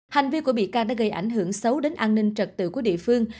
hành vi của bị can đã gây ảnh hưởng xấu đến an ninh trật tự của địa phương